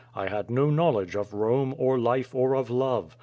I had no knowledge of Home, of life, or of love.